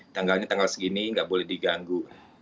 tanggalnya tanggal segini nggak boleh diganggu